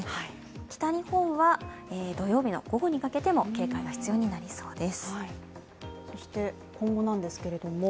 北日本は土曜日の午後にかけても警戒が必要になりそうです。